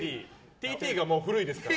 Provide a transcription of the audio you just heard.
ＴＴがもう、古いですから。